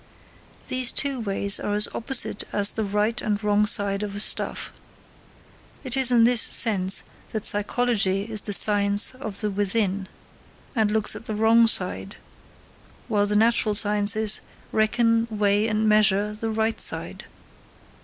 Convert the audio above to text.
These two ways are as opposite as the right and wrong side of a stuff. It is in this sense that psychology is the science of the within and looks at the wrong side, while the natural sciences reckon, weigh, and measure the right side.